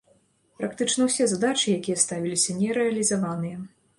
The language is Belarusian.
Практычна ўсе задачы, якія ставіліся, не рэалізаваныя.